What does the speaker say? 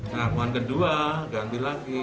nah poin kedua ganti lagi